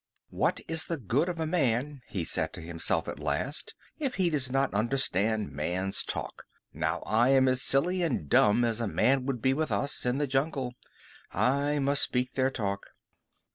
"What is the good of a man," he said to himself at last, "if he does not understand man's talk? Now I am as silly and dumb as a man would be with us in the jungle. I must speak their talk."